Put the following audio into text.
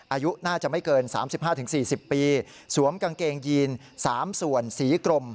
อายุน่าจะไม่เกินสามสิบห้าถึงสี่สิบปีสวมกางเกงยีนสามส่วนสีกลม